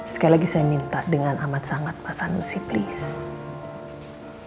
sekali lagi saya minta dengan amat sangat pak sanusi please